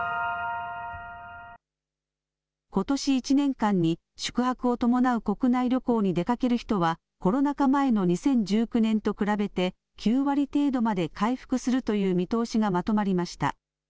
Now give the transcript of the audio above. ことし１年間に、宿泊を伴う国内旅行に出かける人は、コロナ禍前の２０１９年と比べて、９割程度まで回復するという見通しがまとまりました。